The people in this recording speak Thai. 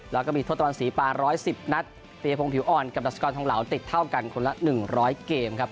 แล้วก็มีทดตรวจสีปลาร้อยสิบนัดเปลี่ยงโพงผิวอ่อนกับรัสกรทองเหลาติดเท่ากันคนละหนึ่งร้อยเกมครับ